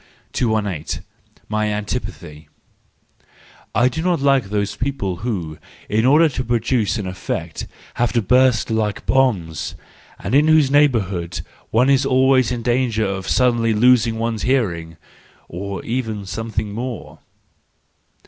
218. My Antipathy .—I do not like those people who, in order to produce an effect, have to burst like bombs, and in whose neighbourhood one is always in danger of suddenly losing one's hearing—or even something more.